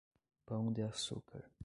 Pão de Açúcar